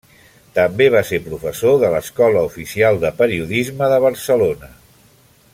També va ser professor de l'Escola Oficial de Periodisme de Barcelona.